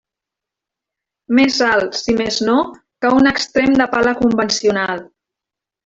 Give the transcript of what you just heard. Més alt, si més no, que un extrem de pala convencional.